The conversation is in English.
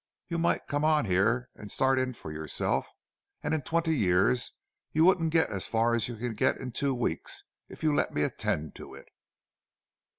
You might come on here and start in for yourself, and in twenty years you wouldn't get as far as you can get in two weeks, if you'll let me attend to it."